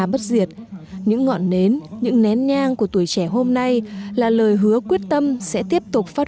bất diệt những ngọn nến những nén nhang của tuổi trẻ hôm nay là lời hứa quyết tâm sẽ tiếp tục phát